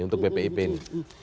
untuk bpip ini